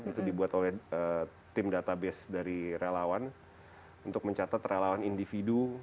itu dibuat oleh tim database dari relawan untuk mencatat relawan individu